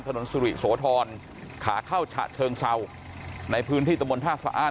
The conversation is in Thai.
สุริโสธรขาเข้าฉะเชิงเศร้าในพื้นที่ตะบนท่าสะอ้าน